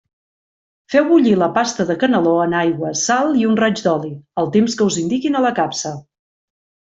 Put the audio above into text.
Feu bullir la pasta de caneló en aigua, sal i un raig d'oli, el temps que us indiquin a la capsa.